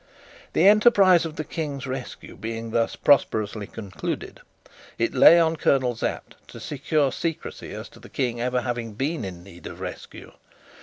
The enterprise of the King's rescue being thus prosperously concluded, it lay on Colonel Sapt to secure secrecy as to the King ever having been in need of rescue.